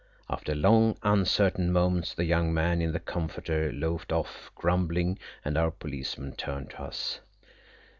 After long uncertain moments the young man in the comforter loafed off grumbling, and our policeman turned to us.